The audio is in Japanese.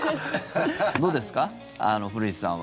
どうですか、古市さんは。